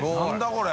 これ。